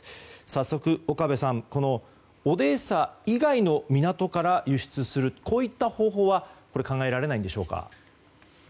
早速、岡部さんオデーサ以外の港から輸出する、こういった方法は考えられないんでしょうか？